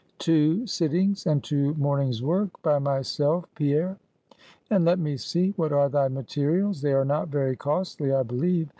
"Two sittings; and two mornings' work by myself, Pierre." "And let me see; what are thy materials? They are not very costly, I believe.